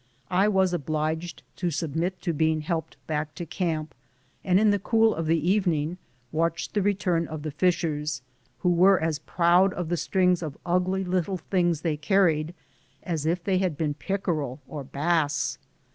I was obliged to submit to being helped back to camp, and in the cool of the evening watched the return of the fishers, who were as proud of the strings of ugly little things they carried as if they had been pickerel or bass.